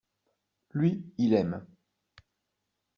Lui, il aime.